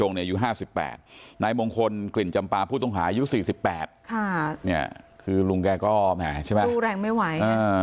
นายมงคลกลิ่นจำปลาผู้ต้องหายุด๔๘คือลุงแก้ก้อมสู้แรงไม่ไหว